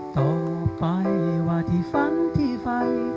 ต่อไปว่าที่ฝันที่ฝัน